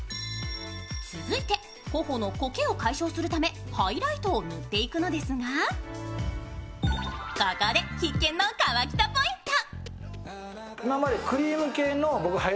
続いて、頬のこけを解消するためハイライトを塗っていくのですがここで必見の河北ポイント。